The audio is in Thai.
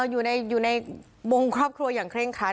อยู่ในโบรุณครอบครัวอย่างเคร่งขาด